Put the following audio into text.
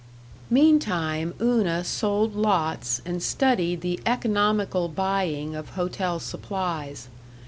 Meantime Una sold lots and studied the economical buying of hotel supplies.